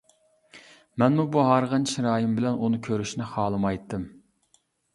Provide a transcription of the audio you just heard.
مەنمۇ بۇ ھارغىن چىرايىم بىلەن، ئۇنى كۆرۈشنى خالىمايتتىم.